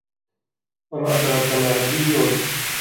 وما أدراك ما عليون